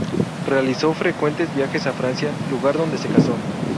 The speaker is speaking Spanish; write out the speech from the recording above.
Realizó frecuentes viajes a Francia, lugar donde se casó.